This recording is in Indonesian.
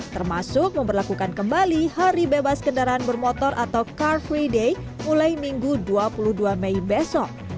termasuk memperlakukan kembali hari bebas kendaraan bermotor atau car free day mulai minggu dua puluh dua mei besok